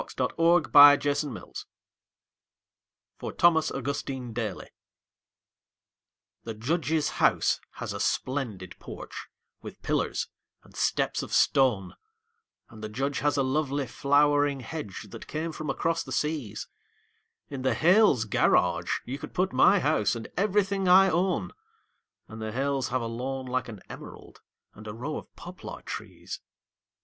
The Snowman in the Yard (For Thomas Augustine Daly) The Judge's house has a splendid porch, with pillars and steps of stone, And the Judge has a lovely flowering hedge that came from across the seas; In the Hales' garage you could put my house and everything I own, And the Hales have a lawn like an emerald and a row of poplar trees.